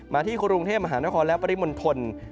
ที่กรุงเทพมหานครและปริมณฑล